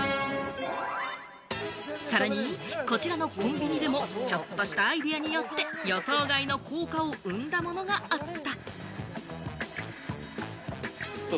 さらに、こちらのコンビニでも、ちょっとしたアイデアによって予想外の効果を生んだものがあった。